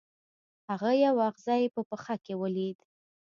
هغه یو اغزی په پښه کې ولید.